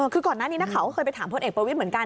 คือก่อนหน้านี้นักข่าวก็เคยไปถามพลเอกประวิทย์เหมือนกัน